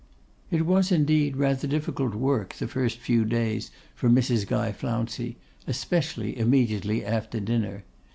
It was, indeed, rather difficult work the first few days for Mrs. Guy Flouncey, especially immediately after dinner.